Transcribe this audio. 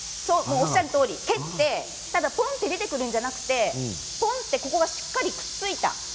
おっしゃるとおり蹴ってポンと出てくるのではなくポンとここがしっかりくっついた。